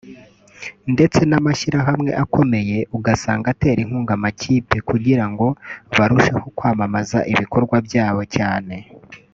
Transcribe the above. ndetse n’amashyirahamwe akomeye ugasanga atera inkunga amakipe kugirango barusheho kwamamaza ibikorwa byabo cyane